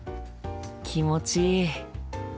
気持ちいい。